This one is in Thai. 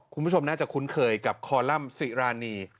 คุณผู้ชมน่าจะคุ้นเคยกับคอลัมป์สิรานี